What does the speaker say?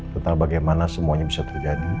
tentang bagaimana semuanya bisa terjadi